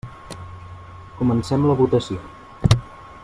Comencem la votació.